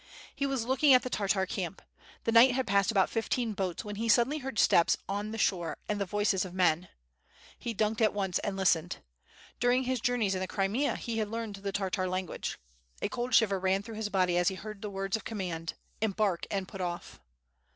He was looking at the Tartar camp. The knight had passed about fifteen boats when he suddenly heard steps on the shore and the voices of men. lie ducked at once and listened. During his journeys in the Crimea he had learned the Tartar language. A cold shiver ran through his body as he heard the words of command: "Embark, and put off.''